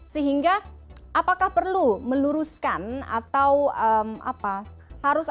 sehingga apakah perlu meluruskan atau harus ada sesuatu yang bisa diperlukan